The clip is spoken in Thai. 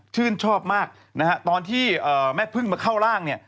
ตนชอบมากตอนที่แม่พึ่งมาเข้าร่าง